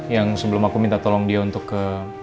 yang sebelum aku minta tolong dia untuk ke